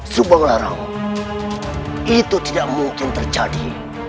subanglarang itu tidak mungkin terjadi